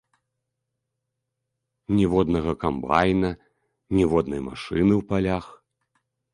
Ніводнага камбайна, ніводнай машыны ў палях.